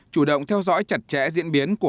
chủ động theo dõi chặt chẽ diễn biến